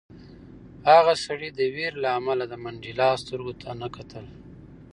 هغه سړي د وېرې له امله د منډېلا سترګو ته نه کتل.